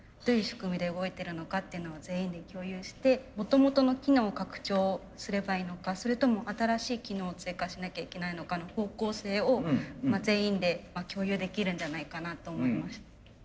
どういう仕組みで動いてるのかっていうのを全員で共有してもともとの機能拡張をすればいいのかそれとも新しい機能を追加しなきゃいけないのかの方向性を全員で共有できるんじゃないかなと思いました。